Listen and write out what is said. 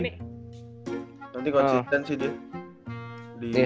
nanti konsisten sih dia